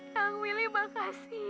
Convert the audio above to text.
yang milik makasih ya